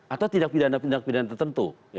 atau tidak pidana pidana tertentu